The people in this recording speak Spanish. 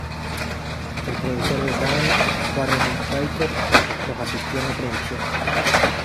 El productor de Down, Warren Riker, los asistió en la producción.